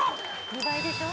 ・２倍でしょ？